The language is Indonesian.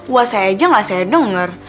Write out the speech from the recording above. wah saya aja gak saya dengar